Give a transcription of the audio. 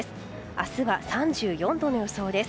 明日は３４度の予想です。